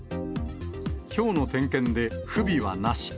きょうの点検で、不備はなし。